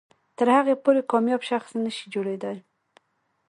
تر هغې پورې کامیاب شخص نه شئ جوړېدلی.